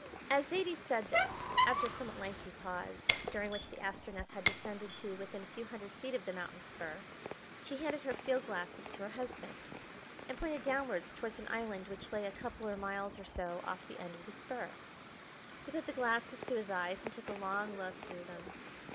As Zaidie said this, after a somewhat lengthy pause, during which the Astronef had descended to within a few hundred feet of the mountain spur, she handed her field glasses to her husband, and pointed downwards towards an island which lay a couple or miles or so off the end of the spur. He put the glasses to his eyes, and took a long look through them.